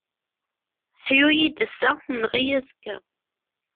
Ḥyu-yi-d ass-a, nneɣ-iyi azekka.